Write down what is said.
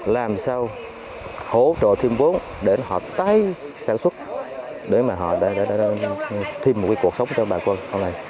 làm sao hỗ trợ thêm vốn để họ tái sản xuất để mà họ đã thêm một cuộc sống cho bà quân